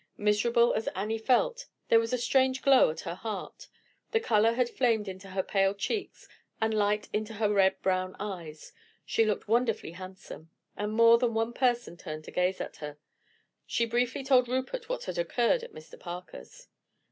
Miserable as Annie felt, there was a strange glow at her heart, the color had flamed into her pale cheeks, and light into her red brown eyes. She looked wonderfully handsome, and more than one person turned to gaze at her. She briefly told Rupert what had occurred at Mr. Parker's.